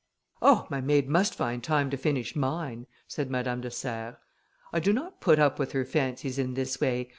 "Oh! my maid must find time to finish mine," said Madame de Serres. "I do not put up with her fancies in this way.